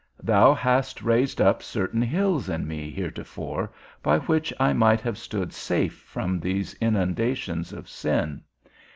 Thou hast raised up certain hills in me heretofore, by which I might have stood safe from these inundations of sin.